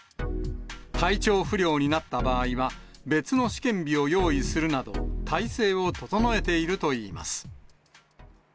体調不良になった場合は、別の試験日を用意するなど、体制を整えているといいます。